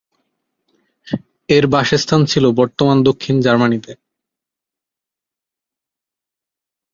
এর বাসস্থান ছিল বর্তমান দক্ষিণ জার্মানিতে।